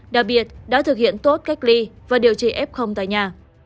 đặc biệt đã thực hiện tốt cách ly và điều trị f tại nhà